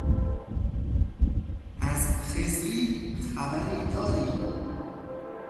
از خضری خبری داری؟